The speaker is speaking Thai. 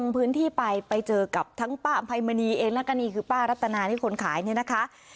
พื้นที่ไปไปเจอกับทั้งป้าอภัยมณีเองแล้วก็นี่คือป้ารัตนานี่คนขายเนี่ยนะคะ